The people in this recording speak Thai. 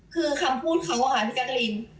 คือคำพูดข้างหัวข้างพี่แกทะลีม